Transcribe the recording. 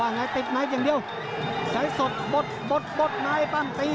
มันติดในอย่างเดียว้ายสดบดบดดในป้างตี